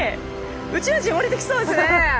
宇宙人降りてきそうですね。